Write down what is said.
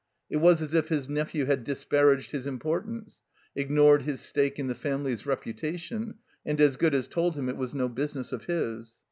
It was as if his nephew had disparaged his importance, ignored his stake in the family's reputation, and as good as told him it was no business of his.